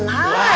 wah keren boy